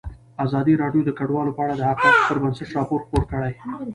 ازادي راډیو د کډوال په اړه د حقایقو پر بنسټ راپور خپور کړی.